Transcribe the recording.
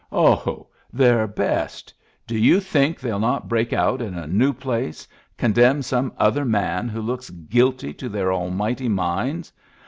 " Oh, their best 1 Do you think theyll not break out in a new place, condemn some other man who looks guilty to their almighty minds?